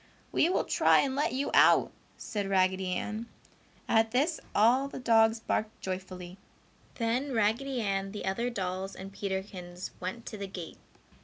"We will try and let you out," said Raggedy Ann. At this all the dogs barked joyfully. Then Raggedy Ann, the other dolls and Peterkins went to the gate.